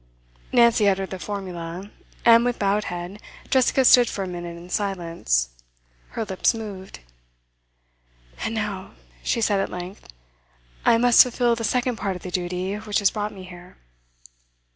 Nancy uttered the formula, and with bowed head Jessica stood for a minute in silence; her lips moved. 'And now,' she said at length, 'I must fulfil the second part of the duty which has brought me here.